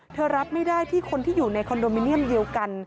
รับไม่ได้ที่คนที่อยู่ในคอนโดมิเนียมเดียวกัน